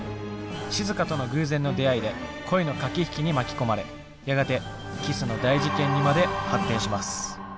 しずかとの偶然の出会いで恋の駆け引きに巻き込まれやがてキスの大事件にまで発展します。